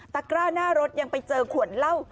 กร้าหน้ารถยังไปเจอขวดเหล้า